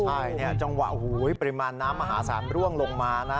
ใช่จังหวะปริมาณน้ำมหาศาลร่วงลงมานะ